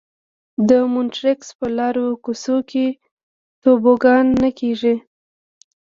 د مونټریکس په لارو کوڅو کې توبوګان نه کېږي.